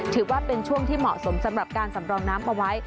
ถือว่าเป็นช่วงที่เหมาะสมสำหรับการสำรองน้ำเอาไว้